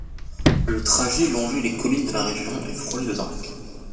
Le trajet longeait les collines de la région et frôlait le Drac.